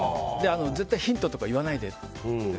絶対ヒントとか言わないでって。